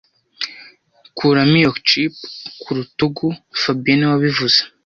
Kuramo iyo chip ku rutugu fabien niwe wabivuze